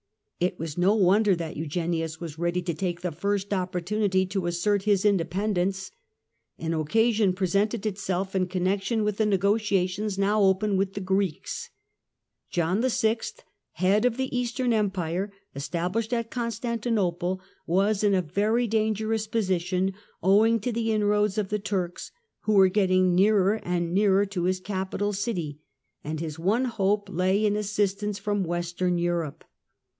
It was no wonder that Eugenius was ready to take the first opportunity to assert his in dependence. An occasion presented itself in connection with the negotiations now opened with the Greeks. John VI., head of the Eastern Empire estabhshed at Constantinople, was in a very dangerous position owing to the inroads of the Turks, who were getting nearer and nearer to his capital city, and his one hope lay in assistance from Western Europe.